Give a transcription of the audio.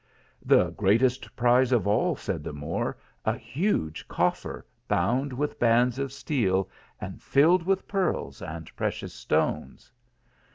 "The greatest prize of all," said tie Moor ; "a huge coffer, bound with bands of steel, and filled with pearls and precious stones."